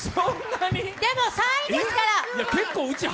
でも３位ですから！